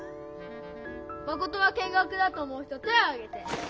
マコトは見学だと思う人手をあげて！